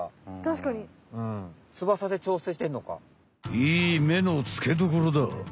いい目のつけどころだ。